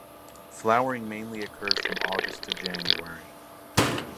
Flowering mainly occurs from August to January.